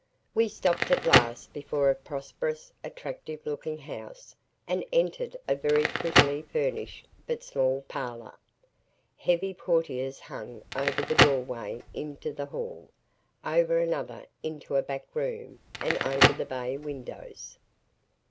We stopped at last before a prosperous, attractive looking house and entered a very prettily furnished but small parlor. Heavy portieres hung over the doorway into the hall, over another into a back room and over the bay windows.